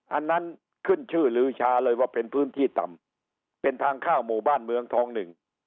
อันนั้นขึ้นชื่อลือชาเลยว่าเป็นพื้นที่ต่ำเป็นทางข้าวหมู่บ้านเมืองทองหนึ่ง